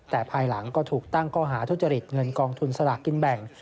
แต่ภายหลังก็ถูกตั้งข้อหาทุจริตเงินกองทุนสลากกินแบ่ง